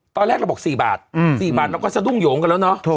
ตอนแรกเราบอกสี่บาทอืมสี่บาทเราก็จะดุ้งโหงกันแล้วเนอะถูก